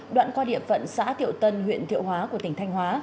đoạn qua địa phận xã thiệu tân huyện thiệu hóa của tỉnh thanh hóa